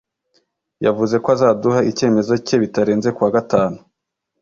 Yavuze ko azaduha icyemezo cye bitarenze ku wa gatanu.